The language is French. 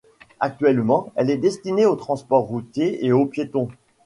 Actuellement, elle est destinée au transport routier et aux piétons.